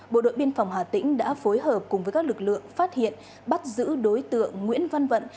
bộ đội biên phòng hà tĩnh đã phối hợp cùng với các lực lượng phát hiện bắt giữ đối tượng nguyễn văn vận